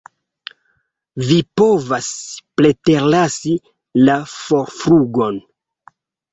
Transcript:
Vi povas preterlasi la forflugon.